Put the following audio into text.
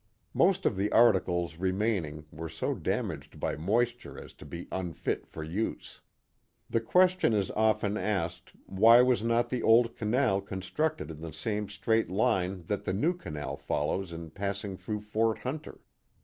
Most of the articles re maining were so damaged by moisture as to be unfit for use. The question is often asked why was not the old canal con structed in the same straight line that the new canal follows in passing through Fort Hunter